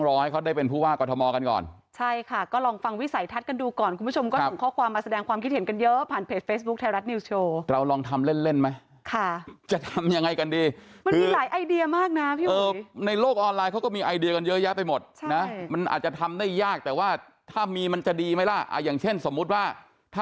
เราต้องเล่นบทเจ้าบ้านที่เข้มแข็งต้องเป็นเจ้าภาพ